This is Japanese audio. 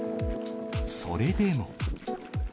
それでも。